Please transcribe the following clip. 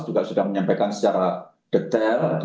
juga sudah menyampaikan secara detail